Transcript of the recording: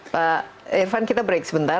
pak irvan kita break sebentar